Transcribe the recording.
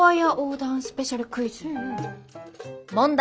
「問題！